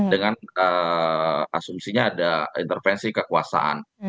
dengan asumsinya ada intervensi kekuasaan